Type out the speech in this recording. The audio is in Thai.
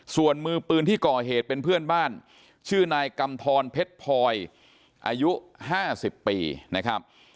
ส่วนมือปืนที่ก่อเหตุเป็นเพื่อนบ้านชื่อนายกำทรเพชรพลอยอายุ๕๐ปีนะครับ